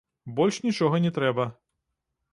Больш нічога не трэба.